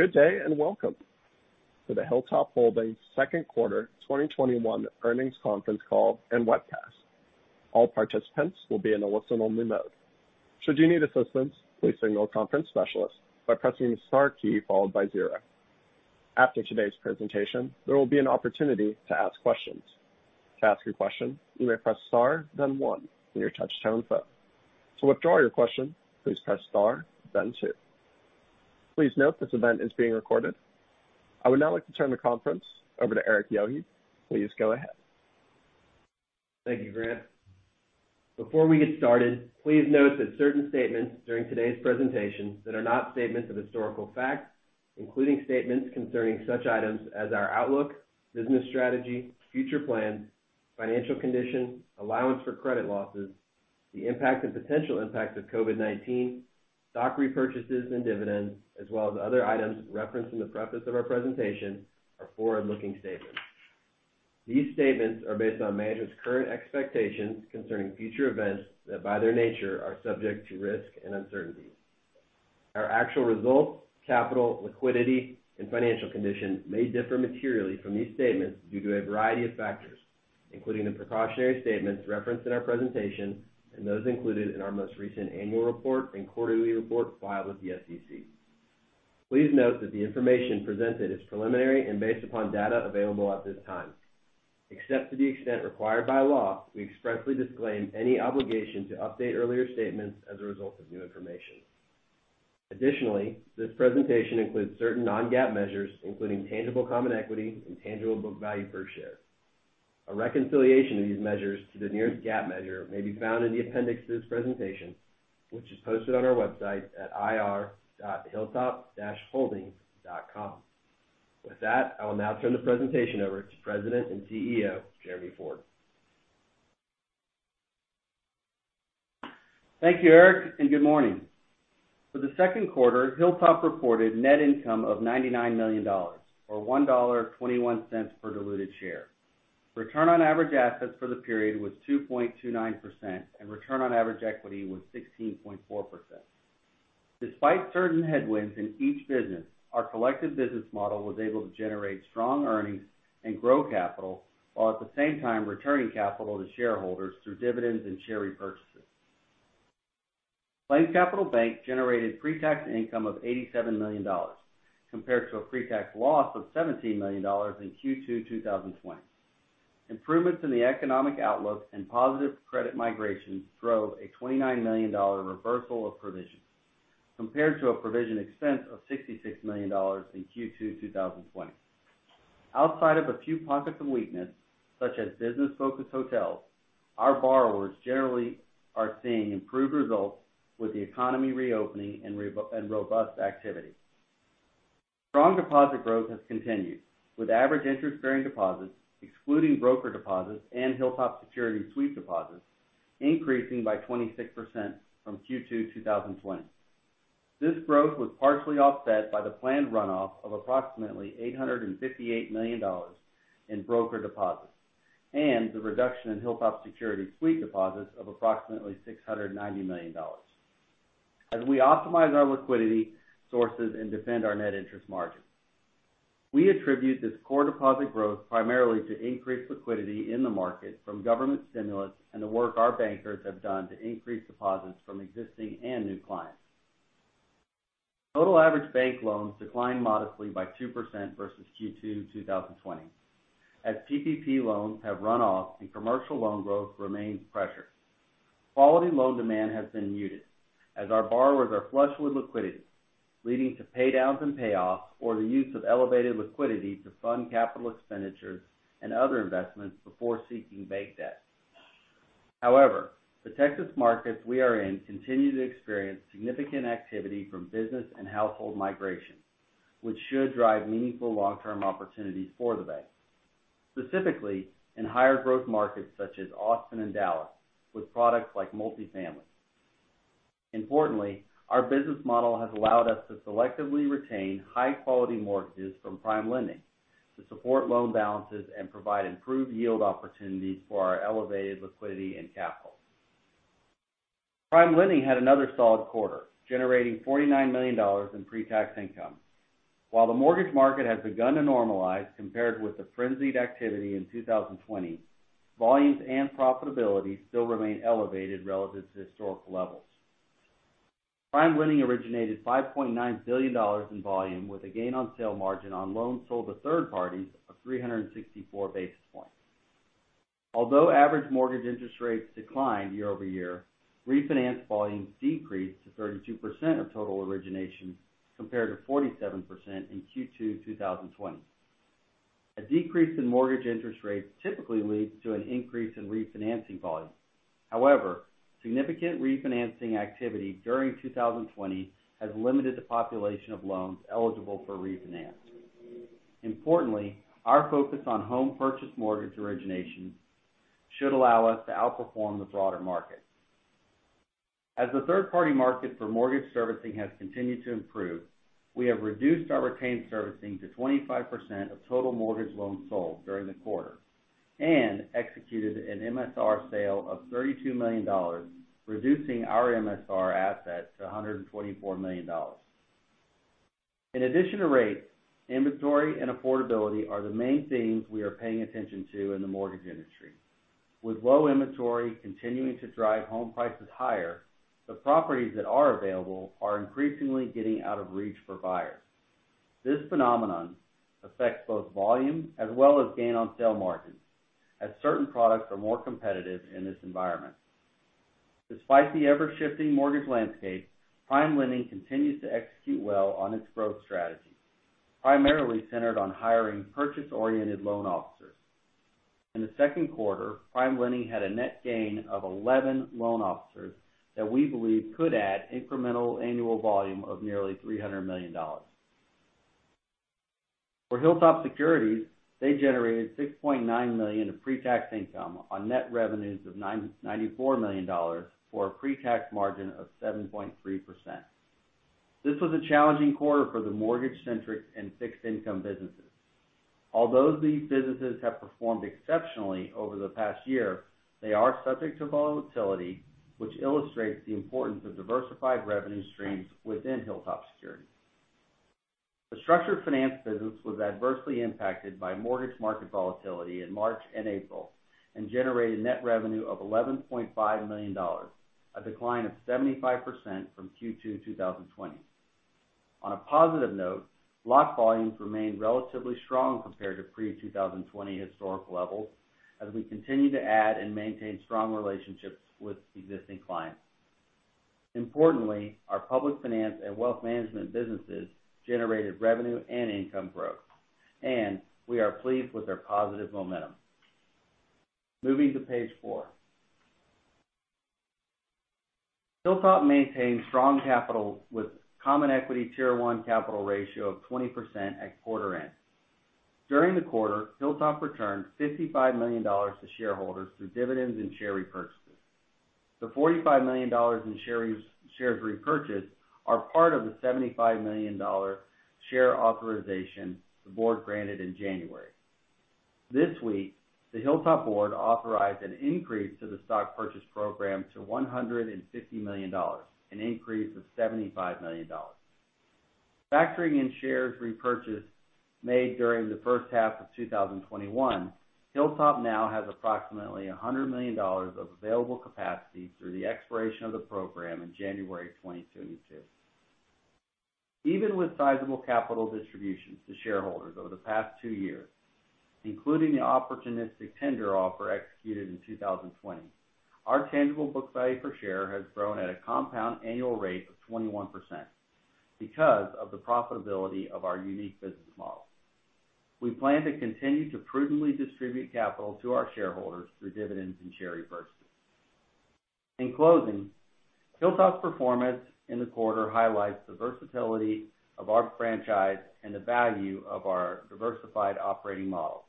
Good day. Welcome to the Hilltop Holdings second quarter 2021 earnings conference call and webcast. All participants will be in a listen-only mode. After today's presentation, there will be an opportunity to ask questions. Please note this event is being recorded. I would now like to turn the conference over to Erik Yohe. Please go ahead. Thank you, Grant. Before we get started, please note that certain statements during today's presentation that are not statements of historical facts, including statements concerning such items as our outlook, business strategy, future plans, financial condition, allowance for credit losses, the impact and potential impact of COVID-19, stock repurchases and dividends, as well as other items referenced in the preface of our presentation, are forward-looking statements. These statements are based on management's current expectations concerning future events that, by their nature, are subject to risk and uncertainties. Our actual results, capital, liquidity, and financial conditions may differ materially from these statements due to a variety of factors, including the precautionary statements referenced in our presentation and those included in our most recent annual report and quarterly report filed with the SEC. Please note that the information presented is preliminary and based upon data available at this time. Except to the extent required by law, we expressly disclaim any obligation to update earlier statements as a result of new information. Additionally, this presentation includes certain non-GAAP measures, including tangible common equity and tangible book value per share. A reconciliation of these measures to the nearest GAAP measure may be found in the appendix to this presentation, which is posted on our website at ir.hilltop-holdings.com. With that, I will now turn the presentation over to President and CEO Jeremy Ford. Thank you, Erik, and good morning. For the second quarter, Hilltop reported net income of $99 million, or $1.21 per diluted share. Return on average assets for the period was 2.29%, and return on average equity was 16.4%. Despite certain headwinds in each business, our collective business model was able to generate strong earnings and grow capital, while at the same time returning capital to shareholders through dividends and share repurchases. PlainsCapital Bank generated pre-tax income of $87 million, compared to a pre-tax loss of $17 million in Q2 2020. Improvements in the economic outlook and positive credit migration drove a $29 million reversal of provisions, compared to a provision expense of $66 million in Q2 2020. Outside of a few pockets of weakness, such as business-focused hotels, our borrowers generally are seeing improved results with the economy reopening and robust activity. Strong deposit growth has continued, with average interest-bearing deposits, excluding broker deposits and HilltopSecurities sweep deposits, increasing by 26% from Q2 2020. This growth was partially offset by the planned runoff of approximately $858 million in broker deposits and the reduction in HilltopSecurities sweep deposits of approximately $690 million as we optimize our liquidity sources and defend our net interest margin. We attribute this core deposit growth primarily to increased liquidity in the market from government stimulus and the work our bankers have done to increase deposits from existing and new clients. Total average bank loans declined modestly by 2% versus Q2 2020, as PPP loans have run off and commercial loan growth remains pressured. Quality loan demand has been muted as our borrowers are flush with liquidity, leading to paydowns and payoffs, or the use of elevated liquidity to fund capital expenditures and other investments before seeking bank debt. However, the Texas markets we are in continue to experience significant activity from business and household migration, which should drive meaningful long-term opportunities for the bank, specifically in higher-growth markets such as Austin and Dallas with products like multifamily. Importantly, our business model has allowed us to selectively retain high-quality mortgages from PrimeLending to support loan balances and provide improved yield opportunities for our elevated liquidity and capital. PrimeLending had another solid quarter, generating $49 million in pre-tax income. While the mortgage market has begun to normalize compared with the frenzied activity in 2020, volumes and profitability still remain elevated relative to historical levels. PrimeLending originated $5.9 billion in volume with a gain on sale margin on loans sold to third parties of 364 basis points. Although average mortgage interest rates declined year over year, refinance volumes decreased to 32% of total originations, compared to 47% in Q2 2020. A decrease in mortgage interest rates typically leads to an increase in refinancing volume. However, significant refinancing activity during 2020 has limited the population of loans eligible for refinance. Importantly, our focus on home purchase mortgage originations should allow us to outperform the broader market. As the third-party market for mortgage servicing has continued to improve, we have reduced our retained servicing to 25% of total mortgage loans sold during the quarter and executed an MSR sale of $32 million, reducing our MSR assets to $124 million. In addition to rates, inventory and affordability are the main things we are paying attention to in the mortgage industry. With low inventory continuing to drive home prices higher, the properties that are available are increasingly getting out of reach for buyers. This phenomenon affects both volume as well as gain on sale margins, as certain products are more competitive in this environment. Despite the ever-shifting mortgage landscape, PrimeLending continues to execute well on its growth strategy, primarily centered on hiring purchase-oriented loan officers. In the second quarter, PrimeLending had a net gain of 11 loan officers that we believe could add incremental annual volume of nearly $300 million. For HilltopSecurities, they generated $6.9 million of pre-tax income on net revenues of $94 million for a pre-tax margin of 7.3%. This was a challenging quarter for the mortgage centric and fixed income businesses. Although these businesses have performed exceptionally over the past year, they are subject to volatility, which illustrates the importance of diversified revenue streams within HilltopSecurities. The structured finance business was adversely impacted by mortgage market volatility in March and April and generated net revenue of $11.5 million, a decline of 75% from Q2 2020. On a positive note, lock volumes remained relatively strong compared to pre-2020 historical levels, as we continue to add and maintain strong relationships with existing clients. Importantly, our public finance and wealth management businesses generated revenue and income growth, and we are pleased with their positive momentum. Moving to page four. Hilltop maintains strong capital with common equity Tier 1 capital ratio of 20% at quarter end. During the quarter, Hilltop returned $55 million to shareholders through dividends and share repurchases. The $45 million in shares repurchased are part of the $75 million share authorization the board granted in January. This week, the Hilltop board authorized an increase to the stock purchase program to $150 million, an increase of $75 million. Factoring in shares repurchase made during the first half of 2021, Hilltop now has approximately $100 million of available capacity through the expiration of the program in January 2022. Even with sizable capital distributions to shareholders over the past two years, including the opportunistic tender offer executed in 2020, our tangible book value per share has grown at a compound annual rate of 21%, because of the profitability of our unique business model. We plan to continue to prudently distribute capital to our shareholders through dividends and share repurchases. In closing, Hilltop's performance in the quarter highlights the versatility of our franchise and the value of our diversified operating model.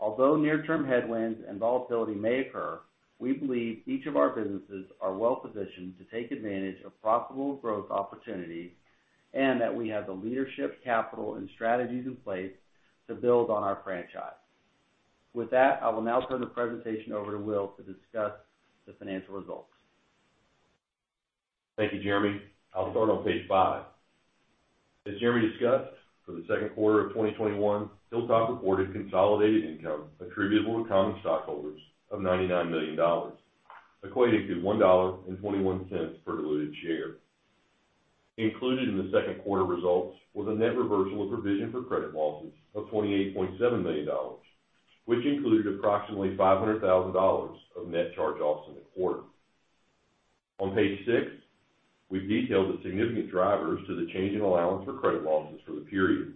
Although near-term headwinds and volatility may occur, we believe each of our businesses are well-positioned to take advantage of profitable growth opportunities and that we have the leadership, capital, and strategies in place to build on our franchise. With that, I will now turn the presentation over to Will to discuss the financial results. Thank you, Jeremy. I'll start on page five. As Jeremy discussed, for the second quarter of 2021, Hilltop reported consolidated income attributable to common stockholders of $99 million, equating to $1.21 per diluted share. Included in the second quarter results was a net reversal of provision for credit losses of $28.7 million, which included approximately $500,000 of net charge-offs in the quarter. On page six, we've detailed the significant drivers to the change in allowance for credit losses for the period.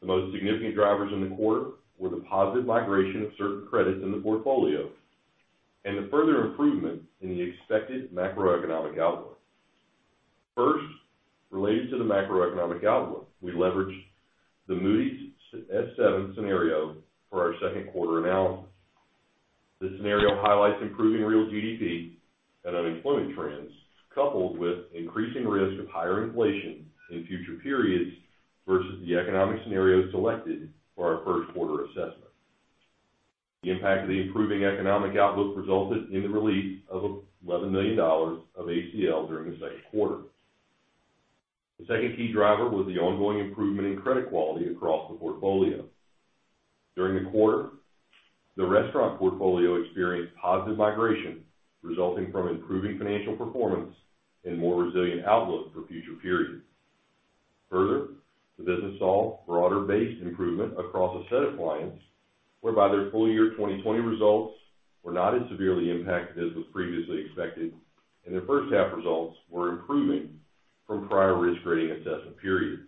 The most significant drivers in the quarter were the positive migration of certain credits in the portfolio and the further improvement in the expected macroeconomic outlook. First, related to the macroeconomic outlook, we leveraged the Moody's S7 scenario for our second quarter analysis. This scenario highlights improving real GDP and unemployment trends, coupled with increasing risk of higher inflation in future periods versus the economic scenario selected for our first quarter assessment. The impact of the improving economic outlook resulted in the release of $11 million of ACL during the second quarter. The second key driver was the ongoing improvement in credit quality across the portfolio. During the quarter, the restaurant portfolio experienced positive migration resulting from improving financial performance and more resilient outlook for future periods. Further, the business saw broader based improvement across a set of clients whereby their full year 2020 results were not as severely impacted as was previously expected, and their first half results were improving from prior risk rating assessment periods.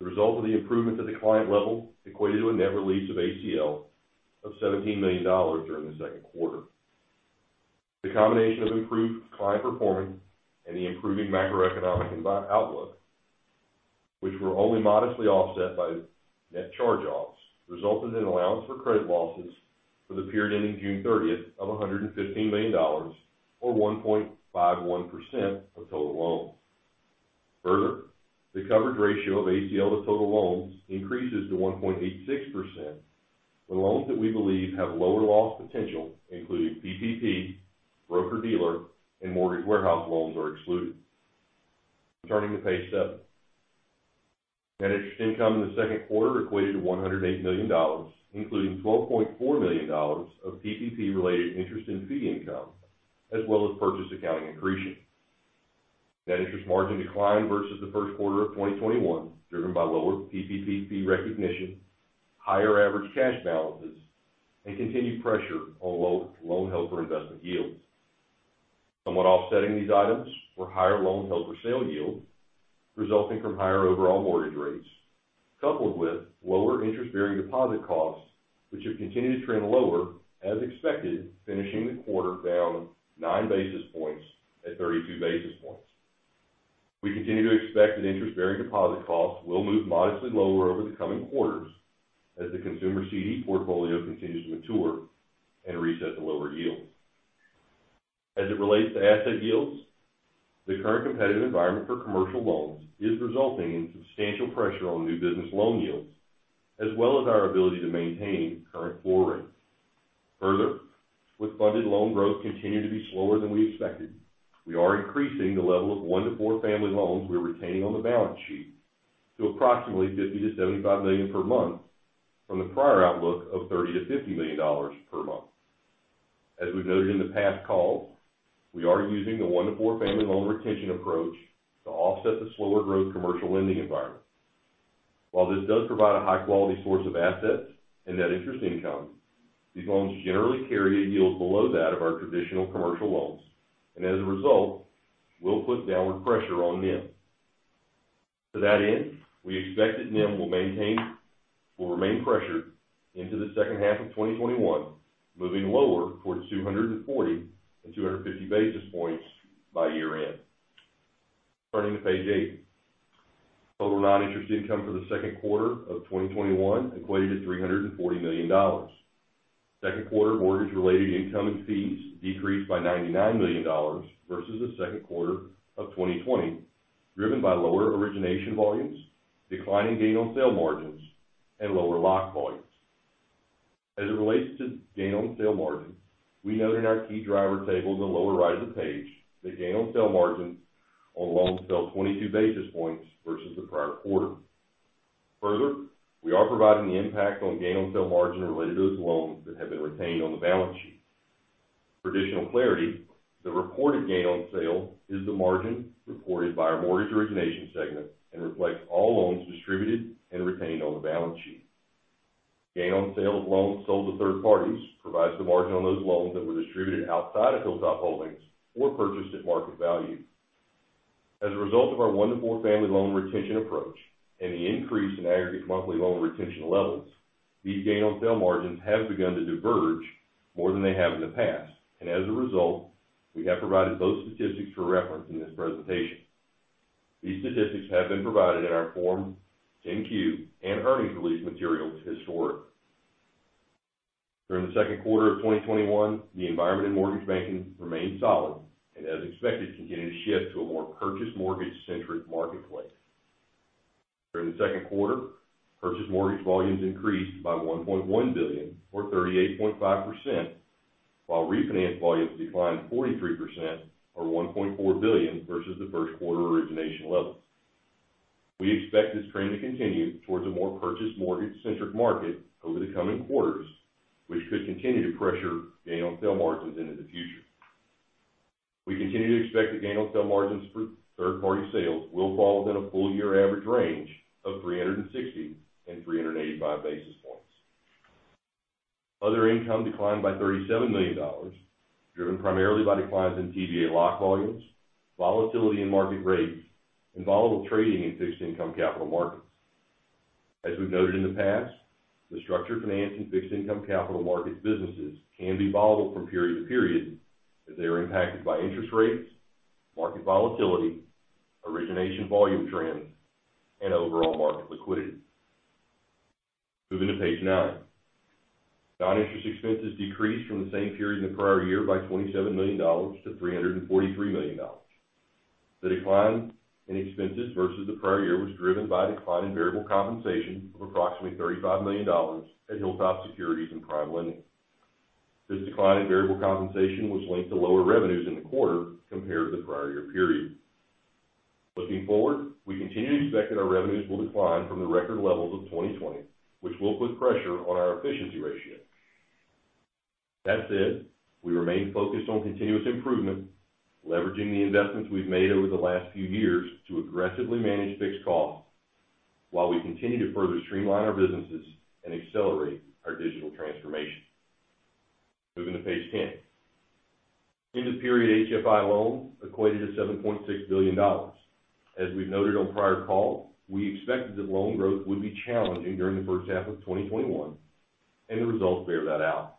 The result of the improvements at the client level equated to a net release of ACL of $17 million during the second quarter. The combination of improved client performance and the improving macroeconomic outlook, which were only modestly offset by net charge-offs, resulted in allowance for credit losses for the period ending June 30th of $115 million, or 1.51% of total loans. Further, the coverage ratio of ACL to total loans increases to 1.86%. The loans that we believe have lower loss potential, including PPP, broker-dealer, and Mortgage Warehouse loans are excluded. Turning to page seven. Net interest income in the second quarter equated to $108 million, including $12.4 million of PPP related interest and fee income, as well as purchase accounting accretion. Net interest margin declined versus the first quarter of 2021, driven by lower PPP fee recognition, higher average cash balances, and continued pressure on loan held for investment yields. Somewhat offsetting these items were higher loan held for sale yield, resulting from higher overall mortgage rates, coupled with lower interest-bearing deposit costs, which have continued to trend lower as expected, finishing the quarter down 9 basis points at 32 basis points. We continue to expect that interest-bearing deposit costs will move modestly lower over the coming quarters as the consumer CD portfolio continues to mature and reset to lower yields. As it relates to asset yields, the current competitive environment for commercial loans is resulting in substantial pressure on new business loan yields, as well as our ability to maintain current floor rates. Further, with funded loan growth continuing to be slower than we expected, we are increasing the level of 1-4 family loans we're retaining on the balance sheet to approximately $50 million-$75 million per month from the prior outlook of $30 million-$50 million per month. As we've noted in the past calls, we are using the 1-4 family loan retention approach to offset the slower growth commercial lending environment. While this does provide a high-quality source of assets and net interest income, these loans generally carry a yield below that of our traditional commercial loans, and as a result, will put downward pressure on NIM. To that end, we expect that NIM will remain pressured into the second half of 2021, moving lower towards 240 and 250 basis points by year-end. Turning to page eight. Total non-interest income for the second quarter of 2021 equated to $340 million. Second quarter mortgage related income and fees decreased by $99 million versus the second quarter of 2020, driven by lower origination volumes, declining gain on sale margins, and lower lock volumes. As it relates to gain on sale margin, we note in our key driver table on the lower right of the page that gain on sale margin on loans fell 22 basis points versus the prior quarter. Further, we are providing the impact on gain on sale margin related to those loans that have been retained on the balance sheet. For additional clarity, the reported gain on sale is the margin reported by our mortgage origination segment and reflects all loans distributed and retained on the balance sheet. Gain on sale of loans sold to third parties provides the margin on those loans that were distributed outside of Hilltop Holdings or purchased at market value. As a result of our 1 -4 family loan retention approach and the increase in aggregate monthly loan retention levels, these gain on sale margins have begun to diverge more than they have in the past, and as a result, we have provided both statistics for reference in this presentation. These statistics have been provided in our Form 10-Q and earnings release materials historically. During the second quarter of 2021, the environment in mortgage banking remained solid and, as expected, continued to shift to a more purchase mortgage centric marketplace. During the second quarter, purchase mortgage volumes increased by $1.1 billion or 38.5%, while refinance volumes declined 43% or $1.4 billion versus the first quarter origination levels. We expect this trend to continue towards a more purchase mortgage centric market over the coming quarters, which could continue to pressure gain on sale margins into the future. We continue to expect that gain on sale margins for third-party sales will fall within a full year average range of 360 and 385 basis points. Other income declined by $37 million, driven primarily by declines in TBA lock volumes, volatility in market rates, and volatile trading in fixed income capital markets. As we've noted in the past, the structured finance and fixed income capital markets businesses can be volatile from period to period, as they are impacted by interest rates, market volatility, origination volume trends, and overall market liquidity. Moving to page nine. Non-interest expenses decreased from the same period in the prior year by $27 million-$343 million. The decline in expenses versus the prior year was driven by a decline in variable compensation of approximately $35 million at HilltopSecurities and PrimeLending. This decline in variable compensation was linked to lower revenues in the quarter compared to the prior year period. Looking forward, we continue to expect that our revenues will decline from the record levels of 2020, which will put pressure on our efficiency ratio. That said, we remain focused on continuous improvement, leveraging the investments we've made over the last few years to aggressively manage fixed costs while we continue to further streamline our businesses and accelerate our digital transformation. Moving to page 10. End of period HFI loans equated to $7.6 billion. As we've noted on prior calls, we expected that loan growth would be challenging during the first half of 2021, and the results bear that out.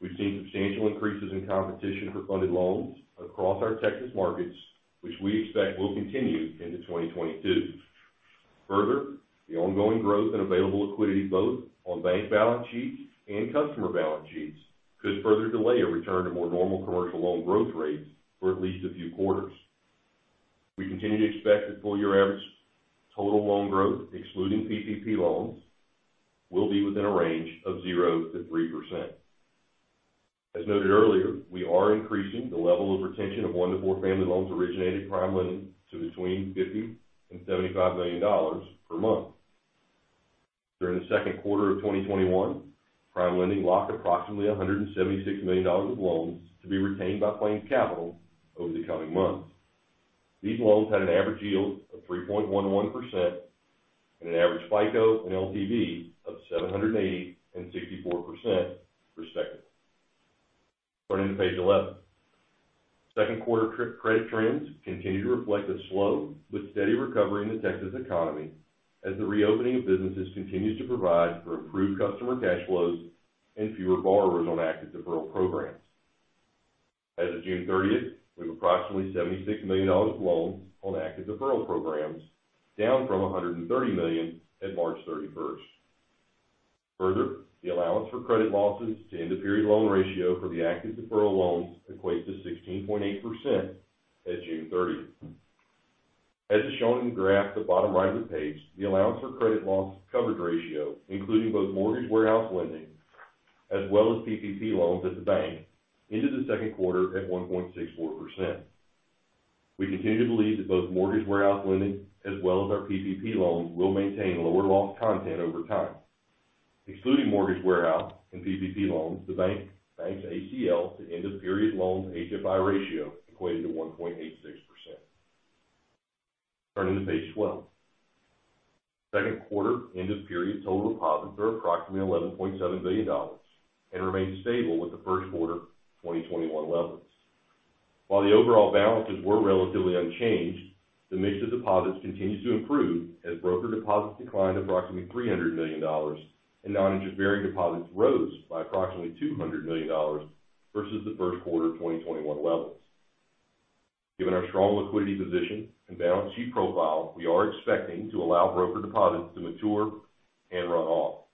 We've seen substantial increases in competition for funded loans across our Texas markets, which we expect will continue into 2022. Further, the ongoing growth and available liquidity, both on bank balance sheets and customer balance sheets, could further delay a return to more normal commercial loan growth rates for at least a few quarters. We continue to expect that full year average total loan growth, excluding PPP loans, will be within a range of 0%-3%. As noted earlier, we are increasing the level of retention of 1-4 family loans originated PrimeLending to between $50 million and $75 million per month. During the second quarter of 2021, PrimeLending locked approximately $176 million of loans to be retained by PlainsCapital over the coming months. These loans had an average yield of 3.11% and an average FICO and LTV of 780 and 64%, respectively. Turning to page 11. Second quarter credit trends continue to reflect a slow but steady recovery in the Texas economy, as the reopening of businesses continues to provide for improved customer cash flows and fewer borrowers on active deferral programs. As of June 30th, we have approximately $76 million of loans on active deferral programs, down from $130 million at March 31st. Further, the allowance for credit losses to end the period loan ratio for the active deferral loans equates to 16.8% at June 30th. As is shown in the graph at the bottom right of the page, the allowance for credit loss coverage ratio, including both Mortgage Warehouse lending as well as PPP loans at the bank, ended the second quarter at 1.64%. We continue to believe that both Mortgage Warehouse lending as well as our PPP loans will maintain lower loss content over time. Excluding Mortgage Warehouse and PPP loans, the bank's ACL to end of period loans HFI ratio equated to 1.86%. Turning to page 12. Second quarter end of period total deposits are approximately $11.7 billion, and remain stable with the first quarter 2021 levels. While the overall balances were relatively unchanged, the mix of deposits continues to improve as broker deposits declined approximately $300 million, and non-interest bearing deposits rose by approximately $200 million versus the first quarter 2021 levels. Given our strong liquidity position and balance sheet profile, we are expecting to allow broker deposits to mature and run off.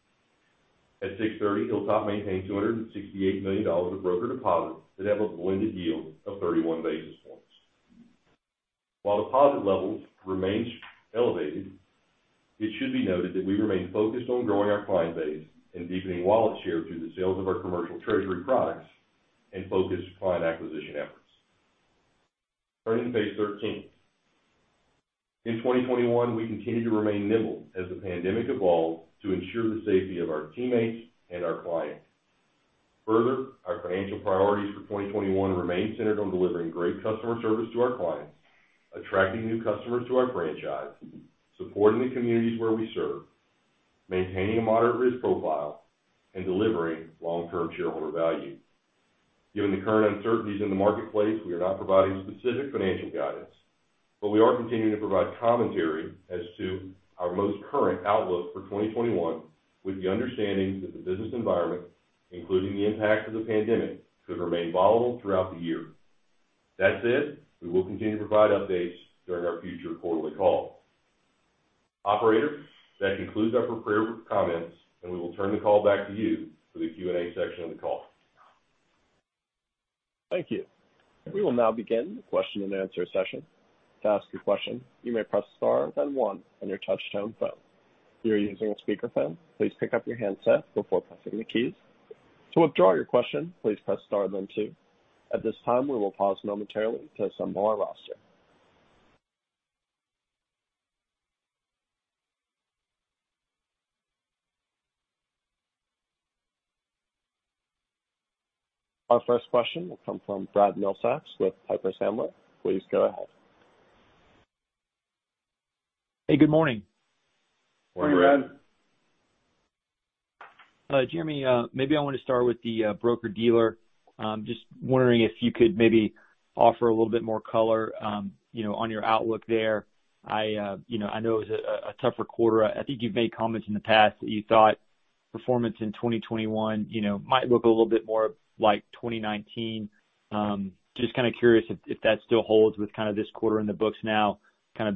At 6/30, Hilltop maintained $268 million of broker deposits that have a blended yield of 31 basis points. While deposit levels remains elevated, it should be noted that we remain focused on growing our client base and deepening wallet share through the sales of our commercial treasury products and focused client acquisition efforts. Turning to page 13. In 2021, we continue to remain nimble as the pandemic evolved to ensure the safety of our teammates and our clients. Further, our financial priorities for 2020 remain centered on delivering great customer service to our clients, attracting new customers to our franchise, supporting the communities where we serve, maintaining a moderate risk profile, and delivering long-term shareholder value. Given the current uncertainties in the marketplace, we are not providing specific financial guidance, but we are continuing to provide commentary as to our most current outlook for 2021, with the understanding that the business environment, including the impact of the pandemic, could remain volatile throughout the year. That said, we will continue to provide updates during our future quarterly calls. Operator, that concludes our prepared comments, and we will turn the call back to you for the Q&A section of the call. Thank you. We will now begin the question and answer session. Our first question will come from Brad Milsaps with Piper Sandler. Please go ahead. Hey, good morning. Morning, Brad. Jeremy, maybe I want to start with the broker-dealer. Just wondering if you could maybe offer a little bit more color on your outlook there. I know it was a tougher quarter. I think you've made comments in the past that you thought performance in 2021 might look a little bit more like 2019. Just kind of curious if that still holds with this quarter in the books now,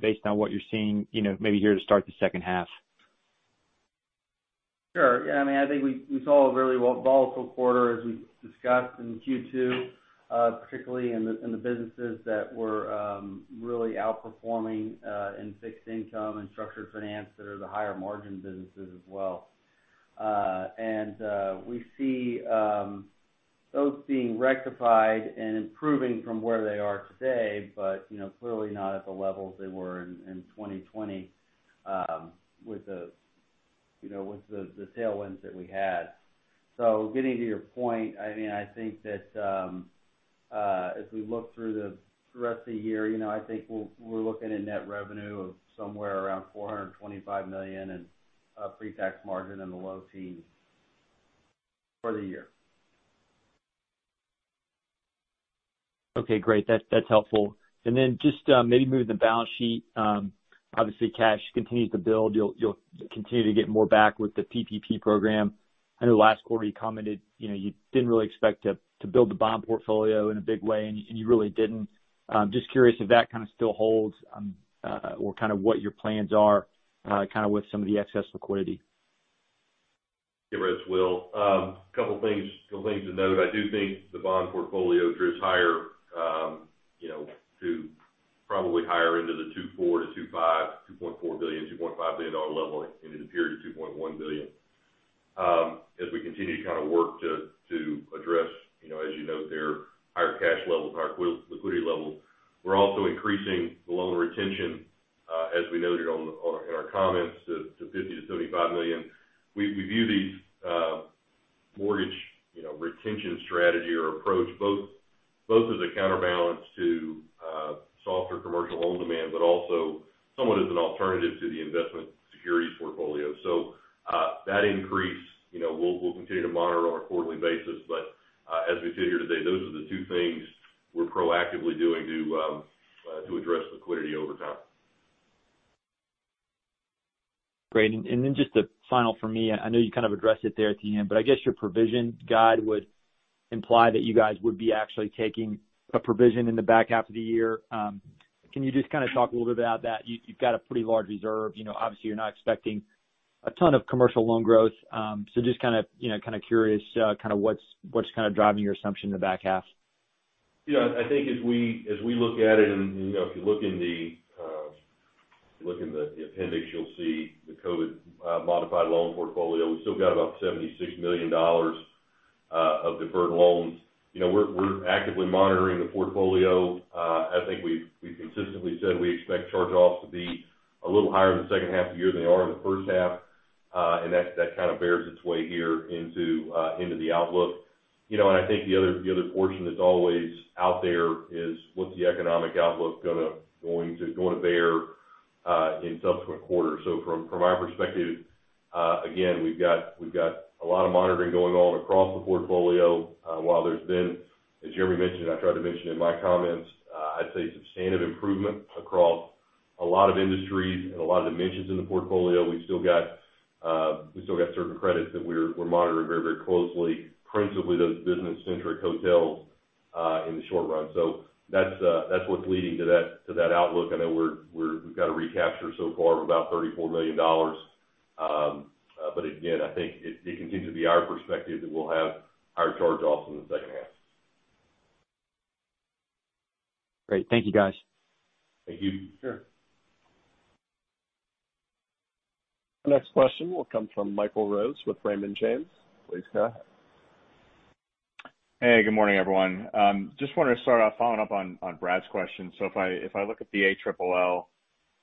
based on what you're seeing maybe here to start the second half. Sure. Yeah, I think we saw a very volatile quarter, as we discussed in Q2, particularly in the businesses that were really outperforming in fixed income and structured finance that are the higher margin businesses as well. We see those being rectified and improving from where they are today, but clearly not at the levels they were in 2020 with the tailwinds that we had. Getting to your point, I think that as we look through the rest of the year, I think we're looking at net revenue of somewhere around $425 million and pre-tax margin in the low teens for the year. Okay, great. That's helpful. Just maybe moving to the balance sheet. Obviously, cash continues to build. Continue to get more back with the PPP program. I know last quarter you commented you didn't really expect to build the bond portfolio in a big way, and you really didn't. I'm just curious if that kind of still holds, or what your plans are with some of the excess liquidity. Yeah, Brad. It's Will. A couple of things to note. I do think the bond portfolio drifts higher, to probably higher into the $2.4 billion-$2.5 billion level. It ended the period at $2.1 billion. As we continue to work to address, as you note there, higher cash levels, higher liquidity levels. We're also increasing the loan retention as we noted in our comments to $50 million-$75 million. We view these mortgage retention strategy or approach both as a counterbalance to softer commercial loan demand, but also somewhat as an alternative to the investment securities portfolio. That increase, we'll continue to monitor on a quarterly basis. As we sit here today, those are the two things we're proactively doing to address liquidity over-time. Great. Then just the final from me, I know you kind of addressed it there at the end, but I guess your provision guide would imply that you guys would be actually taking a provision in the back half of the year. Can you just kind of talk a little bit about that? You've got a pretty large reserve. Obviously, you're not expecting a ton of commercial loan growth. Just kind of curious what's kind of driving your assumption in the back half. Yeah, I think as we look at it and if you look in the appendix, you'll see the COVID-19 modified loan portfolio. We've still got about $76 million of deferred loans. We're actively monitoring the portfolio. I think we've consistently said we expect charge-offs to be a little higher in the second half of the year than they are in the first half. That kind of bears its way here into the outlook. I think the other portion that's always out there is what's the economic outlook going to bear in subsequent quarters. From our perspective, again, we've got a lot of monitoring going on across the portfolio. While there's been, as Jeremy mentioned, I tried to mention in my comments, I'd say substantive improvement across a lot of industries and a lot of dimensions in the portfolio. We've still got certain credits that we're monitoring very closely, principally those business-centric hotels, in the short run. That's what's leading to that outlook. I know we've got a recapture so far of about $34 million. Again, I think it continues to be our perspective that we'll have higher charge-offs in the second half. Great. Thank you, guys. Thank you. Sure. The next question will come from Michael Rose with Raymond James. Please go ahead. Hey, good morning, everyone. Just wanted to start off following up on Brad's question. If I look at the ALLL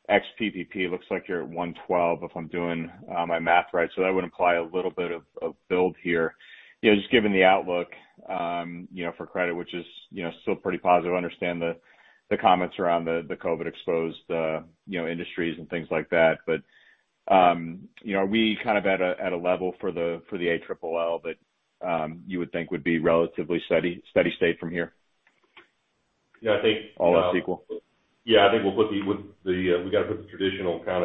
ex PPP, looks like you're at 112, if I'm doing my math right. That would imply a little bit of build here. Just given the outlook for credit, which is still pretty positive, understand the comments around the COVID exposed industries and things like that. Are we kind of at a level for the ALLL that you would think would be relatively steady state from here? Yeah, I think- All else equal. Yeah, I think we've got to put the traditional kind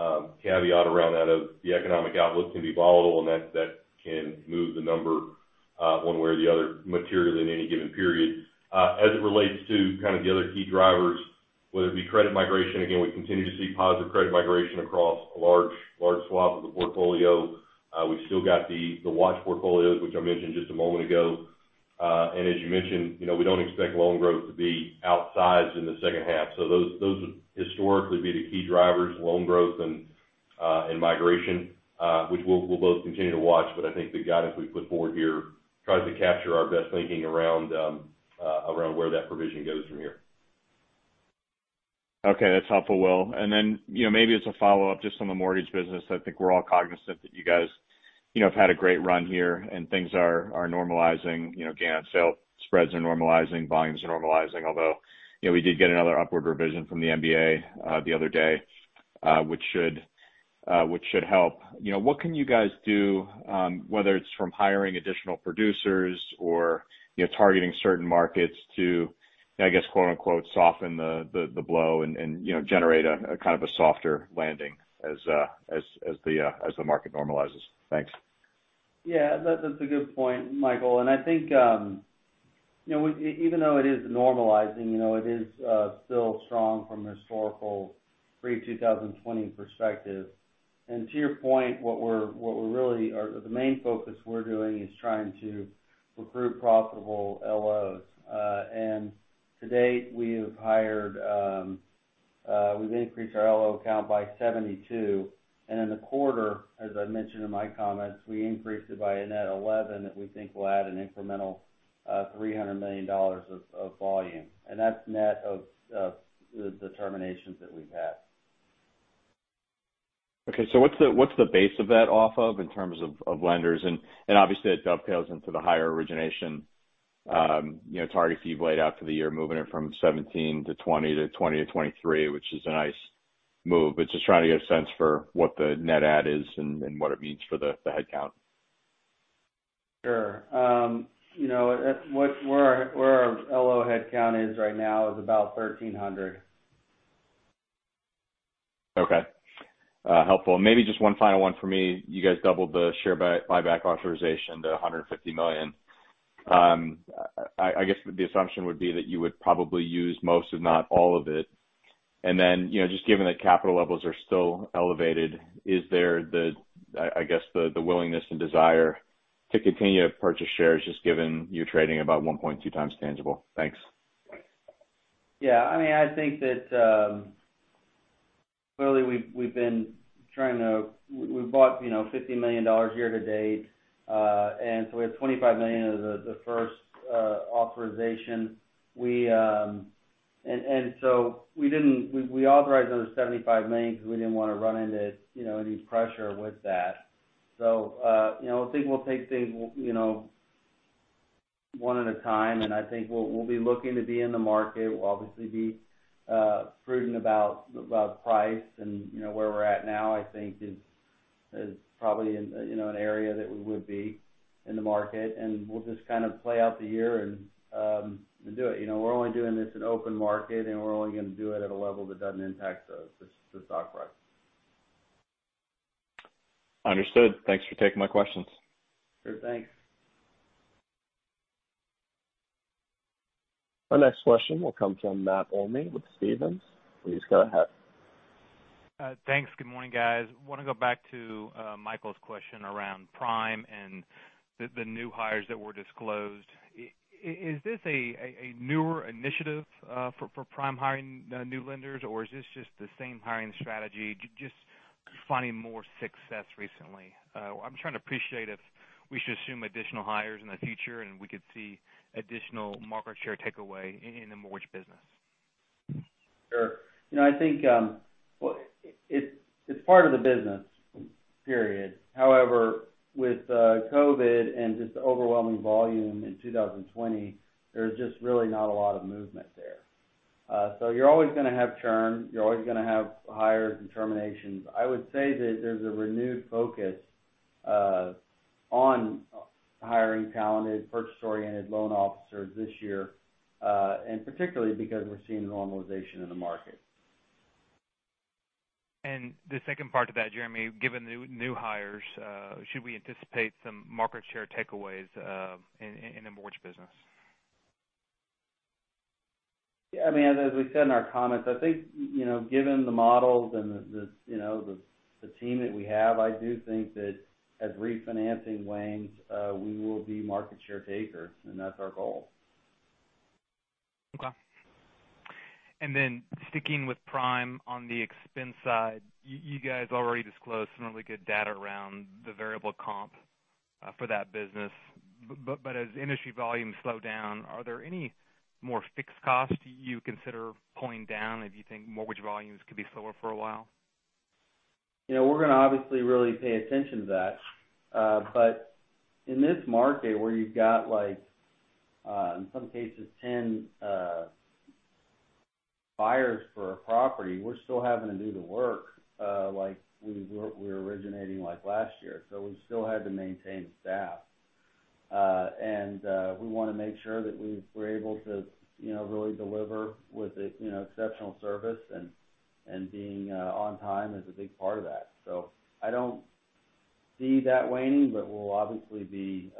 of caveat around that of the economic outlook can be volatile, and that can move the number one way or the other materially in any given period. As it relates to kind of the other key drivers, whether it be credit migration, again, we continue to see positive credit migration across a large swath of the portfolio. We've still got the watch portfolios, which I mentioned just a moment ago. As you mentioned, we don't expect loan growth to be outsized in the second half. Those would historically be the key drivers, loan growth and migration, which we'll both continue to watch. I think the guidance we put forward here tries to capture our best thinking around where that provision goes from here. Okay. That's helpful, Will. Then, maybe as a follow-up, just on the mortgage business, I think we're all cognizant that you guys have had a great run here and things are normalizing. Gain on sale spreads are normalizing, volumes are normalizing. Although, we did get another upward revision from the MBA the other day, which should help. What can you guys do, whether it's from hiring additional producers or targeting certain markets to, I guess quote unquote, "soften the blow" and generate a softer landing as the market normalizes? Thanks. Yeah. That's a good point, Michael. I think, even though it is normalizing, it is still strong from a historical pre-2020 perspective. To your point, the main focus we're doing is trying to recruit profitable LOs. To date, we've increased our LO count by 72. In the quarter, as I mentioned in my comments, we increased it by a net 11 that we think will add an incremental $300 million of volume. That's net of the terminations that we've had. Okay. What's the base of that off of in terms of lenders? Obviously it dovetails into the higher origination targets you've laid out for the year, moving it from 17 to 20 to 20 to 23, which is a nice move, but just trying to get a sense for what the net add is and what it means for the headcount. Sure. Where our LO headcount is right now is about 1,300. Okay. Helpful. Maybe just one final one from me. You guys doubled the share buyback authorization to $150 million. I guess the assumption would be that you would probably use most, if not all of it. Then, just given that capital levels are still elevated, is there the willingness and desire to continue to purchase shares, just given you're trading about 1.2x tangible? Thanks. I think that clearly we've bought $50 million year to date. We had $25 million of the first authorization. We authorized another $75 million because we didn't want to run into any pressure with that. I think we'll take things one at a time, and I think we'll be looking to be in the market. We'll obviously be prudent about price and where we're at now, I think is probably an area that we would be in the market, and we'll just kind of play out the year and do it. We're only doing this in open market, and we're only going to do it at a level that doesn't impact the stock price. Understood. Thanks for taking my questions. Sure. Thanks. Our next question will come from Matt Olney with Stephens. Please go ahead. Thanks. Good morning, guys. I want to go back to Michael's question around Prime and the new hires that were disclosed. Is this a newer initiative for Prime hiring new lenders, or is this just the same hiring strategy, just finding more success recently? I'm trying to appreciate if we should assume additional hires in the future, and we could see additional market share takeaway in the mortgage business. Sure. I think it's part of the business, period. However, with COVID and just the overwhelming volume in 2020, there was just really not a lot of movement there. You're always going to have churn. You're always going to have hires and terminations. I would say that there's a renewed focus on hiring talented, purchase-oriented loan officers this year, and particularly because we're seeing normalization in the market. The second part to that, Jeremy, given the new hires, should we anticipate some market share takeaways in the mortgage business? As we said in our comments, I think, given the models and the team that we have, I do think that as refinancing wanes, we will be market share takers, and that's our goal. Okay. Sticking with Prime on the expense side, you guys already disclosed some really good data around the variable comp for that business. As industry volumes slow down, are there any more fixed costs you consider pulling down if you think mortgage volumes could be slower for a while? We're going to obviously really pay attention to that. In this market where you've got, in some cases, 10 buyers for a property, we're still having to do the work like we were originating last year. We still had to maintain staff. We want to make sure that we're able to really deliver with exceptional service, and being on time is a big part of that. I don't see that waning, but we'll obviously be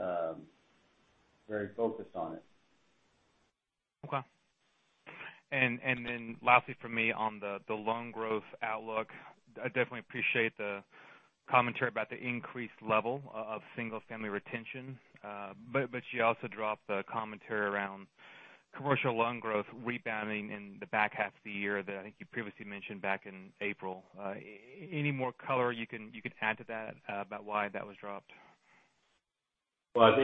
very focused on it. Okay. Lastly from me on the loan growth outlook, I definitely appreciate the commentary about the increased level of single-family retention. You also dropped the commentary around commercial loan growth rebounding in the back half of the year that I think you previously mentioned back in April. Any more color you can add to that about why that was dropped? Well,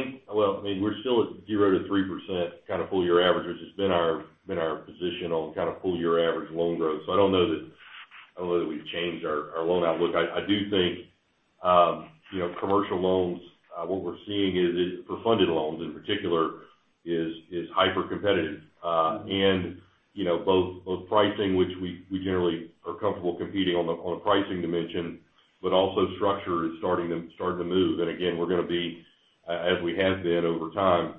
we're still at 0%-3% kind of full-year average, which has been our position on kind of full-year average loan growth. I don't know that we've changed our loan outlook. I do think commercial loans, what we're seeing is for funded loans in particular, is hyper-competitive. Both pricing, which we generally are comfortable competing on a pricing dimension, but also structure is starting to move. Again, we're going to be, as we have been over time,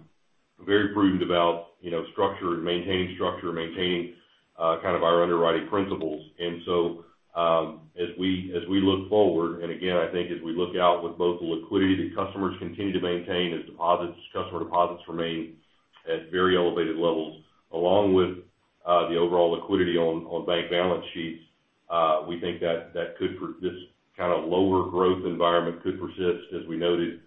very prudent about structure and maintaining structure, maintaining kind of our underwriting principles. As we look forward, and again, I think as we look out with both the liquidity that customers continue to maintain as customer deposits remain at very elevated levels, along with the overall liquidity on bank balance sheets, we think that this kind of lower growth environment could persist, as we noted,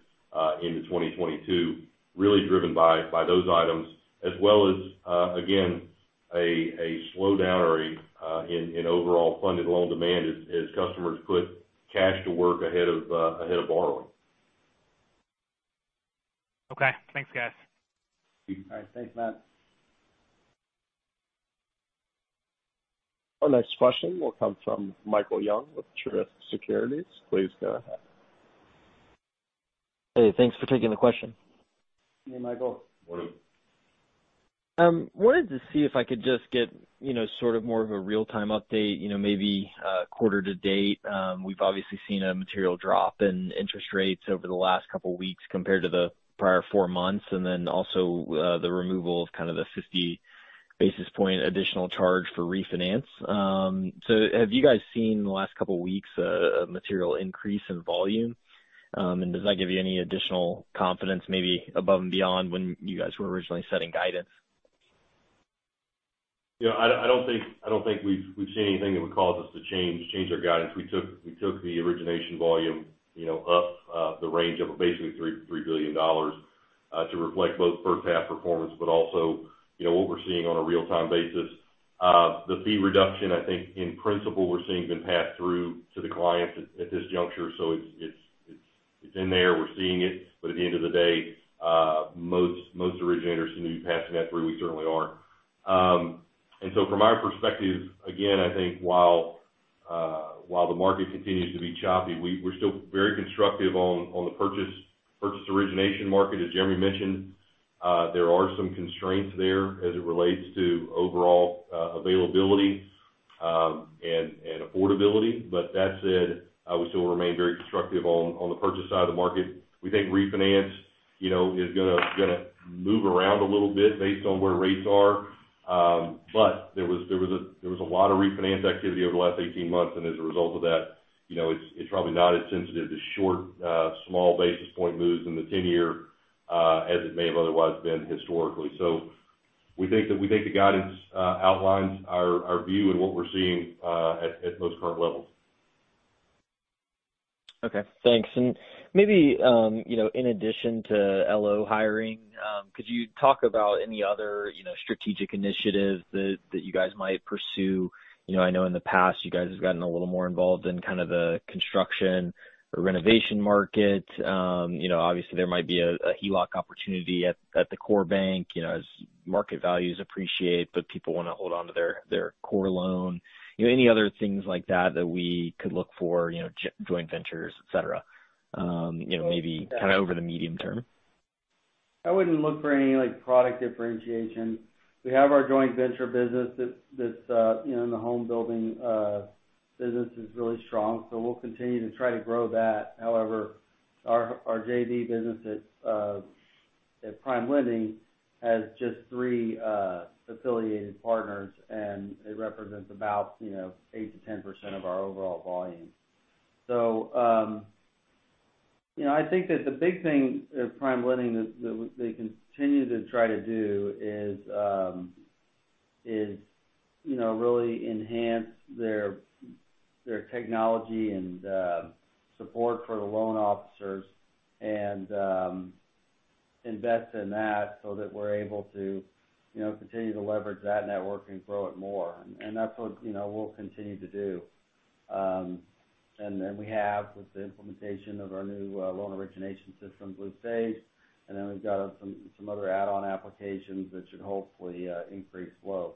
into 2022, really driven by those items. As well as, again, a slowdown or in overall funded loan demand as customers put cash to work ahead of borrowing. Okay. Thanks, guys. All right. Thanks, Matt. Our next question will come from Michael Young with Truist Securities. Please go ahead. Hey, thanks for taking the question. Hey, Michael. Morning. I wanted to see if I could just get sort of more of a real-time update, maybe quarter to date. We've obviously seen a material drop in interest rates over the last couple weeks compared to the prior four months, and then also the removal of kind of the 50 basis point additional charge for refinance. Have you guys seen, in the last couple weeks, a material increase in volume? Does that give you any additional confidence, maybe above and beyond when you guys were originally setting guidance? Yeah, I don't think we've seen anything that would cause us to change our guidance. We took the origination volume up the range of basically $3 billion to reflect both first half performance, but also what we're seeing on a real time basis. The fee reduction, I think, in principle, we're seeing been passed through to the clients at this juncture. It's in there, we're seeing it. At the end of the day, most originators seem to be passing that through. We certainly are. From our perspective, again, I think while the market continues to be choppy, we're still very constructive on the purchase origination market. As Jeremy mentioned, there are some constraints there as it relates to overall availability and affordability. That said, we still remain very constructive on the purchase side of the market. We think refinance is going to move around a little bit based on where rates are. There was a lot of refinance activity over the last 18 months, and as a result of that, it's probably not as sensitive to short, small basis point moves in the 10-year as it may have otherwise been historically. We think the guidance outlines our view and what we're seeing at most current levels. Okay, thanks. Maybe, in addition to LO hiring, could you talk about any other strategic initiatives that you guys might pursue? I know in the past you guys have gotten a little more involved in kind of the construction or renovation market. Obviously, there might be a HELOC opportunity at the core bank as market values appreciate, but people want to hold onto their core loan. Any other things like that that we could look for, joint ventures, et cetera, maybe kind of over the medium term? I wouldn't look for any product differentiation. We have our joint venture business that's in the home building business, is really strong, so we'll continue to try to grow that. However, our JV business at PrimeLending has just three affiliated partners, and it represents about 8%-10% of our overall volume. I think that the big thing at PrimeLending that they continue to try to do is really enhance their technology and support for the loan officers and invest in that so that we're able to continue to leverage that network and grow it more. That's what we'll continue to do. We have, with the implementation of our new loan origination system, Blue Sage, and then we've got some other add-on applications that should hopefully increase flow.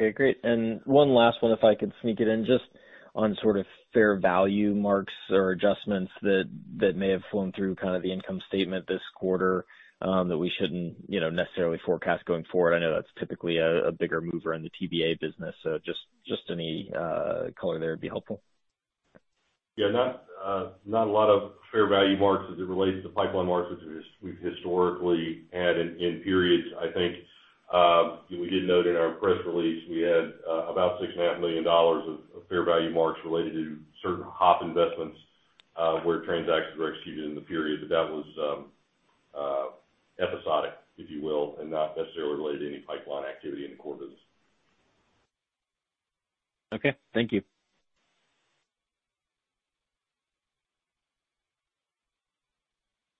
Okay, great. One last one, if I could sneak it in. Just on sort of fair value marks or adjustments that may have flown through kind of the income statement this quarter that we shouldn't necessarily forecast going forward. I know that's typically a bigger mover in the TBA business, so just any color there would be helpful. Yeah, not a lot of fair value marks as it relates to pipeline marks, which we've historically had in periods. I think we did note in our press release, we had about $6.5 million of fair value marks related to certain HOP investments, where transactions were executed in the period. That was episodic, if you will, and not necessarily related to any pipeline activity in the core business. Okay, thank you.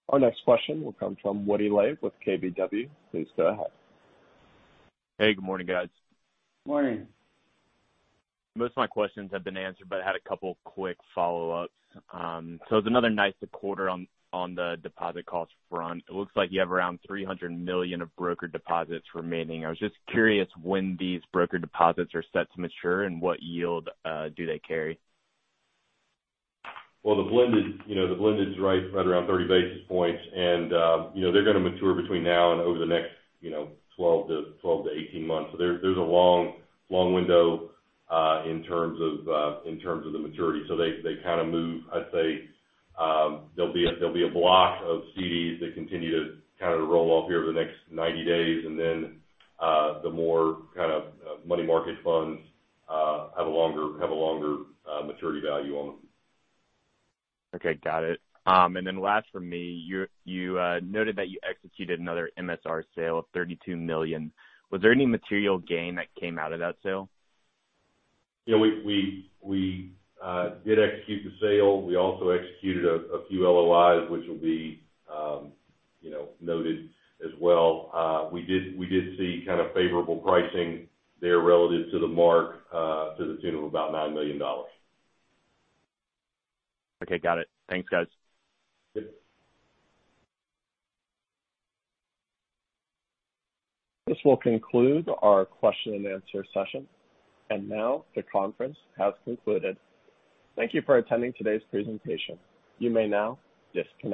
Our next question will come from Woody Lay with KBW. Please go ahead. Hey, good morning, guys. Morning. Most of my questions have been answered, but I had a couple quick follow-ups. It was another nice quarter on the deposit cost front. It looks like you have around $300 million of broker deposits remaining. I was just curious when these broker deposits are set to mature and what yield do they carry? Well, the blended is right around 30 basis points. They're going to mature between now and over the next 12-18 months. There's a long window in terms of the maturity. They kind of move, I'd say there'll be a block of CDs that continue to kind of roll off here over the next 90 days, the more kind of money market funds have a longer maturity value on them. Okay, got it. Last from me, you noted that you executed another MSR sale of $32 million. Was there any material gain that came out of that sale? Yeah, we did execute the sale. We also executed a few LOIs, which will be noted as well. We did see kind of favorable pricing there relative to the mark to the tune of about $9 million. Okay, got it. Thanks, guys. Sure. This will conclude our question and answer session. Now the conference has concluded. Thank you for attending today's presentation. You may now disconnect.